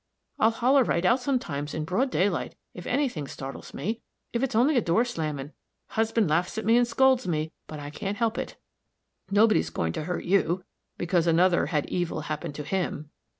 I'll holler right out, sometimes, in broad daylight, if any thing startles me, if it's only a door slamming. Husband laughs at me and scolds me, but I can't help it." "Nobody's going to hurt you, because another had evil happen to him."